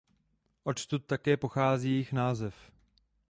Odtud také pochází jejich název.